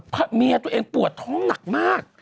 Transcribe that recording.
เพราะเมียตัวเองปวดท้องหนักมาก